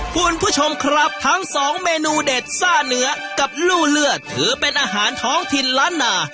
คุณผู้ชมครับทั้งสองเมนูเด็ดซ่าเนื้อกับลู่เลือดถือเป็นอาหารท้องถิ่นล้านนา